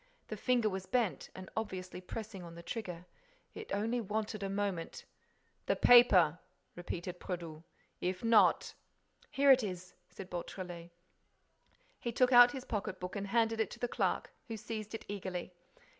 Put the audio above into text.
The finger was bent and obviously pressing on the trigger. It only wanted a moment— "The paper," repeated Brédoux. "If not—" "Here it is," said Beautrelet. He took out his pocket book and handed it to the clerk, who seized it eagerly.